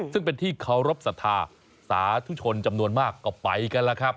ซึ่งเป็นที่เคารพสัทธาสาธุชนจำนวนมากก็ไปกันแล้วครับ